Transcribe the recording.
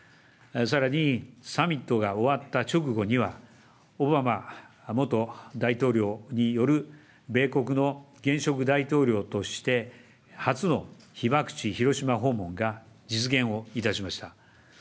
さらに、サミットが終わった直後には、オバマ元大統領による米国の現職大統領として初の被爆地、広島訪問が実現をいたしました。